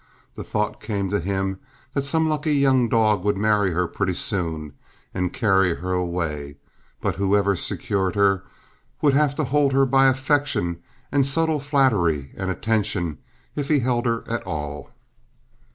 The thought came to him that some lucky young dog would marry her pretty soon and carry her away; but whoever secured her would have to hold her by affection and subtle flattery and attention if he held her at all.